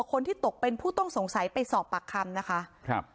คนที่ตกเป็นผู้ต้องสงสัยไปสอบปากคำนะคะครับ